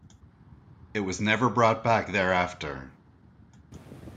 It was never brought back thereafter.